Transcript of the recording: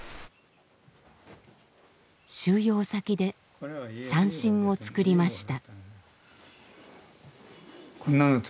収容先で三線を作りました。